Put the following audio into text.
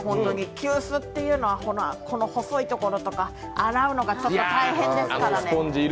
急須っていうのはこの細いところとか洗うのが大変ですからね。